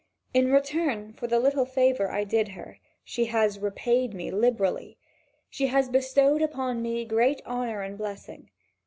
In return for the little favour I did her, she has repaid me liberally: she has bestowed upon me great honour and blessing.